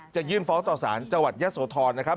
ยื่นฟ้องต่อสารจังหวัดยะโสธรนะครับ